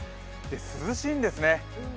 涼しいんですね。